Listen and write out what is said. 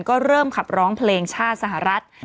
ก็เริ่มขับร้องเพลงชาติสหรัฐ